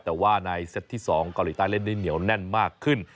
แต่ว่าในเซตที่๒เกาหลีใต้เล่นได้เหนียวแน่นมากขึ้น